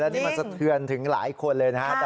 นี่มันสะเทือนถึงหลายคนเลยนะครับ